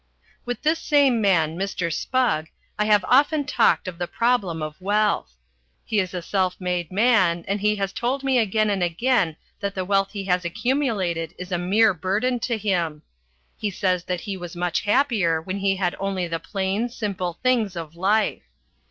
With this same man, Mr. Spugg, I have often talked of the problem of wealth. He is a self made man and he has told me again and again that the wealth he has accumulated is a mere burden to him. He says that he was much happier when he had only the plain, simple things of life.